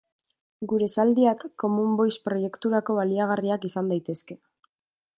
Gure esaldiak Common Voice proiekturako baliagarriak izan daitezke.